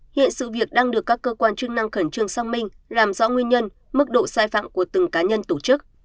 hiện sự việc đang được các cơ quan chức năng khẩn trương sang mình làm rõ nguyên nhân mức độ sai phạm của từng cá nhân tổ chức